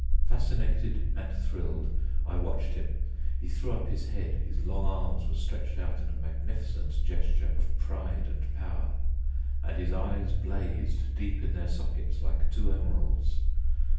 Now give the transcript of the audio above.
Fascinated and thrilled I watched him. He threw up his head, his long arms were stretched out in a magnificent gesture of pride and power, and his eyes blazed deep in their sockets like two emeralds.